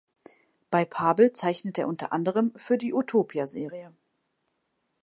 Bei Pabel zeichnete er unter anderem für die Utopia-Serie.